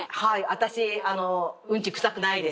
私うんち臭くないです。